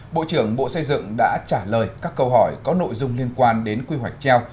bộ trưởng bộ xây dựng đã trả lời các câu hỏi có nội dung liên quan đến quy hoạch treo